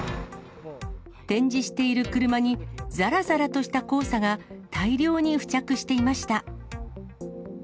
展示している車に、ざらざらとした黄砂が大量に付着していました。